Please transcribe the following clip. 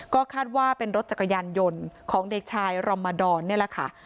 ก็คาดว่าเป็นรถจักรยานยนต์ของเด็กชายรอมดรนี่แหละค่ะ